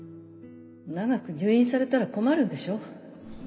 長く入院されたら困るんでしょ